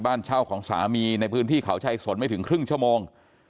บ้านเช่าของสามีในพื้นที่เขาชัยสนไม่ถึงครึ่งชั่วโมง